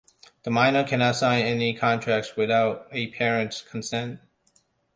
The minor cannot sign any contract without a parents consent.